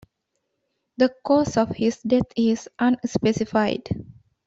The cause of his death is unspecified.